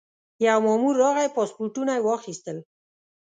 یو مامور راغی پاسپورټونه یې واخیستل.